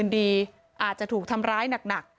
ตังค์อะไรอีก